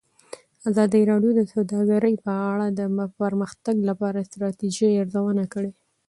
ازادي راډیو د سوداګري په اړه د پرمختګ لپاره د ستراتیژۍ ارزونه کړې.